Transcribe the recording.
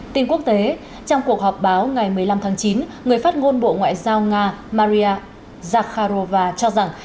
tin quốc tế trong cuộc họp báo ngày một mươi năm tháng chín người phát ngôn bộ ngoại giao nga maria zakharova cho rằng